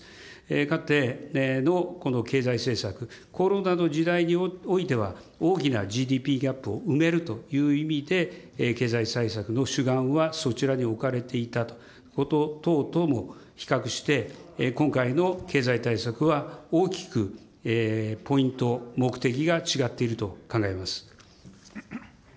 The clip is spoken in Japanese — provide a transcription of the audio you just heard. かつてのこの経済政策、コロナの時代においては、大きなＧＤＰギャップを埋めるという意味で、経済対策の主眼はそちらに置かれていたこと等々とも比較して、今回の経済対策は、大きくポイント、目的が違っていると考えます。